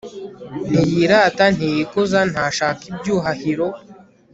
ntiyirata, ntiyikuza, ntashaka ibyuhahiro